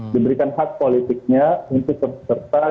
diberikan hak politiknya untuk serta